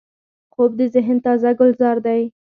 خوب د ذهن تازه ګلزار دی